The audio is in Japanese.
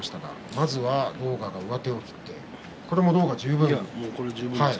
まず狼雅が上手を切って狼雅、十分です。